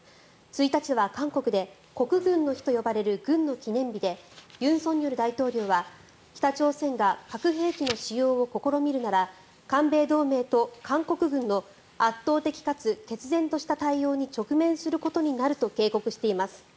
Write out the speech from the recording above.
１日は韓国で国軍の日と呼ばれる軍の記念日で尹錫悦大統領は、北朝鮮が核兵器の使用を試みるなら韓米同盟と韓国軍と圧倒的かつ決然とした対応に直面することになると警告しています。